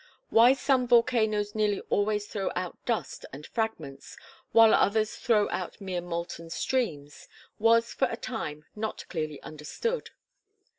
Why some volcanoes nearly always throw out dust and fragments, while others throw out mere molten streams, was for a time not clearly understood.